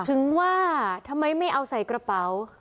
ถึงว่าทำไมไม่เอาใส่กระเป๋า